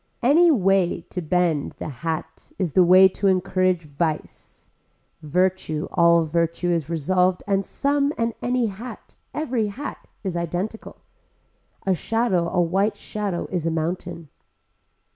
Any way to bend the hat is the way to encourage vice. Virtue all virtue is resolved and some and any hat, every hat is identical. A shadow a white shadow is a mountain.